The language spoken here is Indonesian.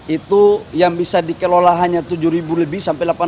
itu yang bisa dikelola hanya tujuh belas hektare areal pulau rempang